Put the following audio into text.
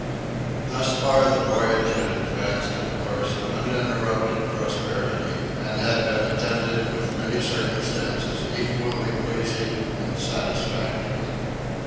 Thus far the voyage had advanced in a course of uninterrupted prosperity, and had been attended with many circumstances equally pleasing and satisfactory.